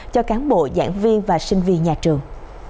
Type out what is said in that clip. cho cán bộ giảng viên và sinh viên nhà trường